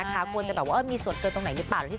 แต่ว่าเราไม่ได้เล่นให้พึ่งเลยเนี้ย